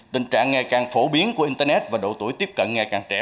tình trạng ngày càng phổ biến của internet và độ tuổi tiếp cận ngày càng trẻ